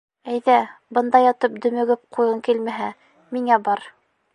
— Әйҙә, бында ятып дөмөгөп ҡуйғың килмәһә, миңә бар.